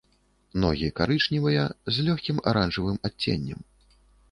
Ногі карычневыя з лёгкім аранжавым адценнем.